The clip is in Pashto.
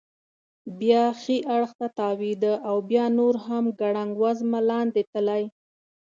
بیا ښي اړخ ته تاوېده او بیا نور هم ګړنګ وزمه لاندې تلی.